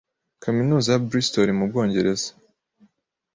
kaminuza ya Bristol mu Bwongereza,